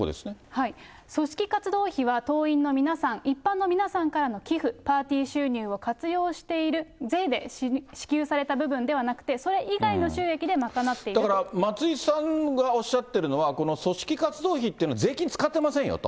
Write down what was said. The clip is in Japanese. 組織活動費は、党員の皆さん、一般の皆さんからの寄付、パーティー収入を活用している、税で支給されて部分ではなくて、だから松井さんがおっしゃってるのは、この組織活動費っていうの、税金使っていませんよと。